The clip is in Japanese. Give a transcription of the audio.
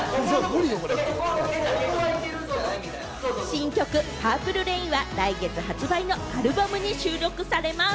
新曲『ＰｕｒｐｌｅＲａｉｎ』は来月発売のアルバムに収録されます。